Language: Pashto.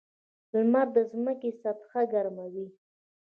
• لمر د ځمکې سطحه ګرموي.